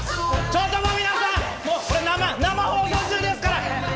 ちょっともう皆さん、生放送中ですから！